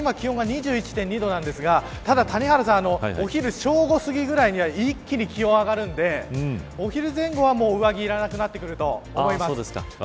今、気温が２１．２度ですが谷原さんお昼、正午すぎぐらいには一気に気温が上がるのでお昼前後は上着いらなくなってくると思います。